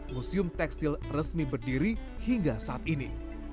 museum tekstil resmi berdiri hingga saat ini